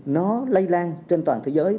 nó lây lan trên toàn thế giới